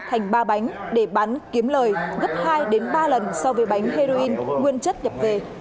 thành ba bánh để bán kiếm lời gấp hai ba lần so với bánh heroin nguyên chất nhập về